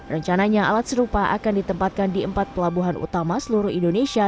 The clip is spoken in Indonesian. rencananya alat serupa akan ditempatkan di empat pelabuhan utama seluruh indonesia